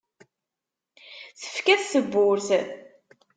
Tefka-t tebburt.